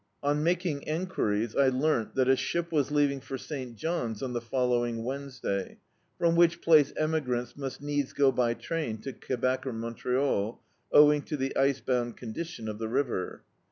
On making enquiries, I learnt that a ship was leaving for St, John's on the following Wednesday, from which place emigrants must needs go by tnun to Quebec or Montreal, owing to the ice bound conditicm of the river.